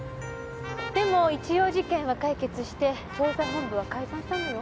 でも一応事件は解決して捜査本部は解散したのよ。